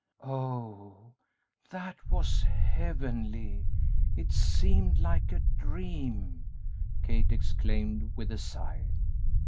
"Oh, that was heavenly! It seemed like a dream!" Kate exclaimed, with a sigh.